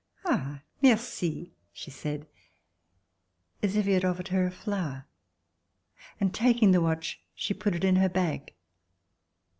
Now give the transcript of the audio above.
"Ah! merci!" she said, as if he had offered her a flower, and taking the watch she put it in her bag.